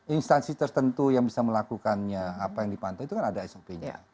instansi tertentu yang bisa melakukannya apa yang dipantau itu kan ada sop nya